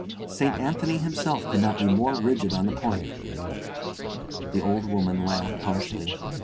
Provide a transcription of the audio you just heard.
Saint Anthony himself could not be more rigid on the point!" The old woman laughed harshly.